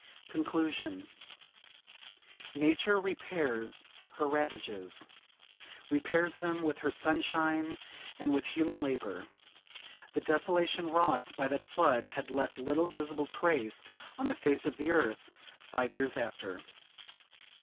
Conclusion Nature repairs her ravages,—repairs them with her sunshine, and with human labour. The desolation wrought by that flood had left little visible trace on the face of the earth, five years after.